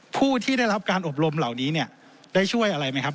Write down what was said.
ผู้ที่ได้รับการอบรมเหล่านี้เนี่ยได้ช่วยอะไรไหมครับ